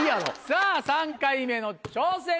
さぁ３回目の挑戦です。